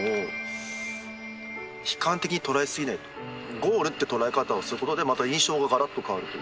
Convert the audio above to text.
ゴールって捉え方をすることでまた印象ががらっと変わると。